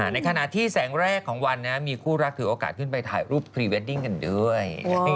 ในขณะที่แสงแรกของวันมีคู่รักถือโอกาสขึ้นไปถ่ายรูปพรีเวดดิ้งกันด้วย